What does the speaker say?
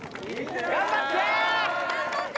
頑張って！